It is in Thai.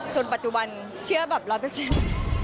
ปัจจุบันเชื่อแบบร้อยเปอร์เซ็นต์